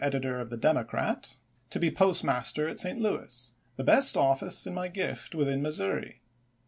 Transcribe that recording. editor of the ' Democrat ' to be postmaster at St. Louis — the best office in my gift within Missouri.